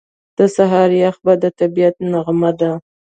• د سهار یخ باد د طبیعت نغمه ده.